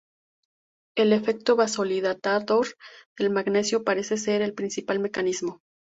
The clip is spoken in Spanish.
El efecto vasodilatador del magnesio parece ser el principal mecanismo.